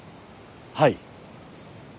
はい。